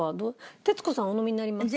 徹子さんはお飲みになりますか？